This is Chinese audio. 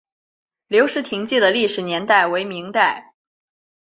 留石亭记的历史年代为明代。